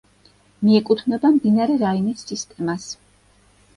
მიეკუთვნება მდინარე რაინის სისტემას.